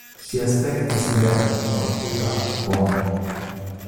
Ŝi aspektis bela, korpura, bona.